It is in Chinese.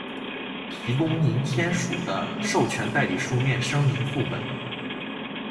提供您签署的授权代理书面声明副本；